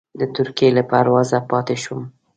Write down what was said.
د ترکیې له پروازه پاتې شوم.